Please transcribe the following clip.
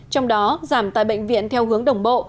trong đó giảm tài bệnh viện theo hướng đồng bộ